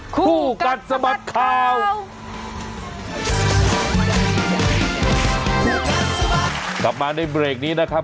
คู่กัดสมัครข่าว